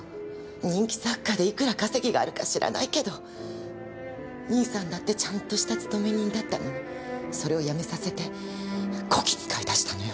人気作家でいくら稼ぎがあるか知らないけど兄さんだってちゃんとした勤め人だったのにそれを辞めさせてこき使いだしたのよ。